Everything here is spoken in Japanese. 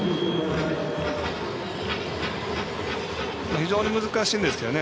非常に難しいんですけどね。